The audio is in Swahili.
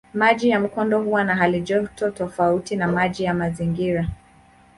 Maji ya mkondo huwa na halijoto tofauti na maji ya mazingira.